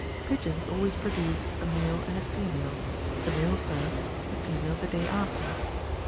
Pigeons always produce a male and a female ; the male first, the female the day after.